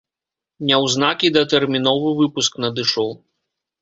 Няўзнак і датэрміновы выпуск надышоў.